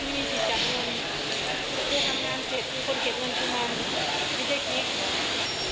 มีคนใส่เงินมาให้กิ๊ก๖๐๐หนึ่งทำไมไหน